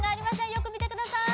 よく見てください